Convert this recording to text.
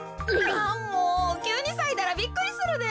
あもうきゅうにさいたらびっくりするで。